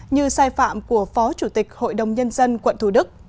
như sai phạm của phó chủ tịch hội đồng nhân dân quận thủ đức